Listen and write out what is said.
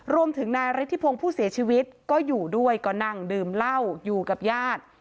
รวมถึงนายฤทธิพงศ์ผู้เสียชีวิตก็อยู่ด้วยก็นั่งดื่มเหล้าอยู่กับญาติ